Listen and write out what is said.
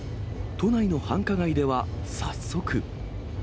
都内の繁華街では早速。